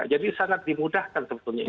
jadi sangat dimudahkan sebetulnya